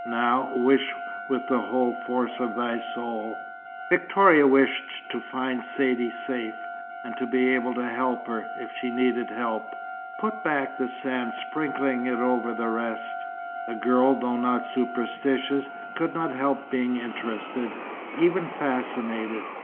Now, wish with the whole force of thy soul." Victoria wished to find Saidee safe, and to be able to help her, if she needed help. "Put back the sand, sprinkling it over the rest." The girl, though not superstitious, could not help being interested, even fascinated.